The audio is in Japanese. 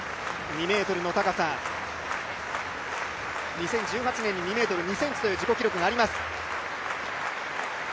２ｍの高さ、２０１８年に２ｍ２ｃｍという自己記録があります。